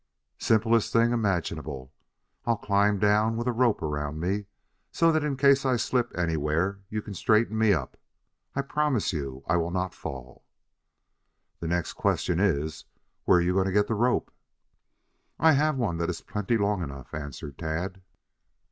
"Simplest thing imaginable. I'll climb down with a rope around me, so that in case I slip anywhere you can straighten me up. I promise you I will not fall." "The next question is, where are you going to get the rope?" "I have one that is plenty long enough," answered Tad.